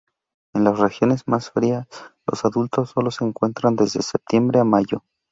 En las regiones más fría, los adultos solo se encuentran desde Septiembre a Mayo.